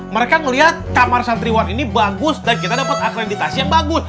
mereka melihat kamar santriwan ini bagus dan kita dapat akreditasi yang bagus